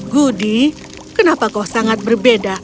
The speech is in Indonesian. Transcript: budi kenapa kau sangat berbeda